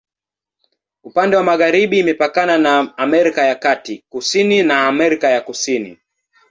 Upande wa magharibi imepakana na Amerika ya Kati, kusini na Amerika ya Kusini.